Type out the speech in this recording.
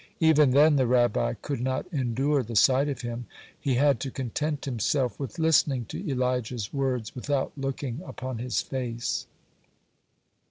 Even then the Rabbi could not endure the sight of him; he had to content himself with listening to Elijah's words without looking upon his face.